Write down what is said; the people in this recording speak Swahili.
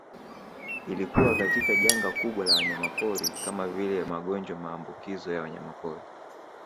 Ilikuwa katika janga kubwa la wanyamapori kama vile magonjwa maambukizo ya wanyamapori